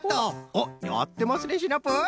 おっやってますねシナプー。